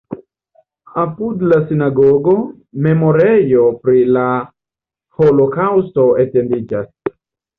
Apud la sinagogo memorejo pri la holokaŭsto etendiĝas.